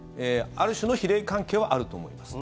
ある種の比例関係はあると思います。